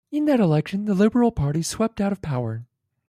In that election the Liberal party swept out of power.